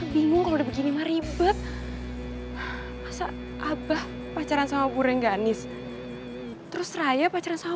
bingung udah begini ribet masa abah pacaran sama bureng ganis terus raya pacaran sama